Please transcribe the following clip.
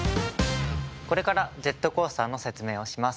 これからジェットコースターの説明をします。